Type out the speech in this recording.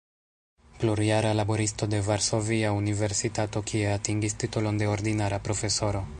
Plurjara laboristo de Varsovia Universitato, kie atingis titolon de ordinara profesoro.